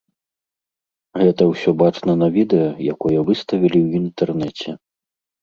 Гэта ўсё бачна на відэа, якое выставілі ў інтэрнэце.